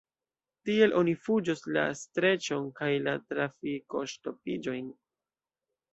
Tiel oni fuĝos la streĉon kaj la trafikŝtopiĝojn!